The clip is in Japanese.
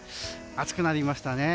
暑くなりましたね。